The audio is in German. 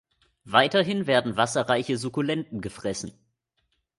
Weiterhin werden wasserreiche Sukkulenten gefressen.